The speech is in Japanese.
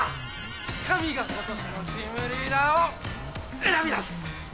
神が今年のチームリーダーを選び出す！